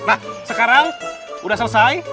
nah sekarang udah selesai